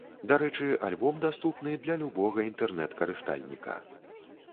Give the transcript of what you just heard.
Дарэчы, альбом даступны для любога інтэрнэт-карыстальніка.